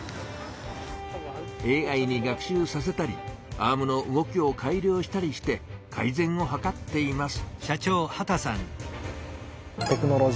ＡＩに学習させたりアームの動きを改良したりして改ぜんをはかっています。